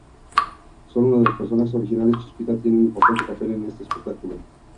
Sólo uno de los personajes originales, Chispita, tiene un importante papel en este espectáculo.